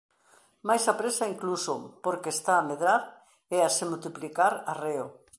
Máis á présa, incluso, porque está a medrar e a se multiplicar arreo...